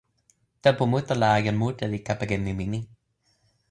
tenpo mute la, jan mute li kepeken nimi ni.